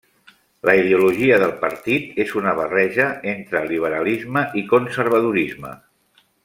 La ideologia del partit és una barreja entre liberalisme i conservadorisme.